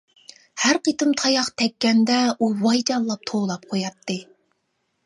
ھەر قېتىم تاياق تەگكەندە ئۇ ۋايجانلاپ توۋلاپ قوياتتى.